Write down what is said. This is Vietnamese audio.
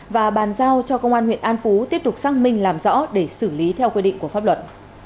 và bàn giao cho công an huyện an phú tiếp tục xác minh làm rõ để xử lý theo quy định của pháp luật